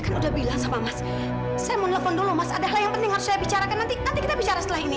nanti kita bicara setelah ini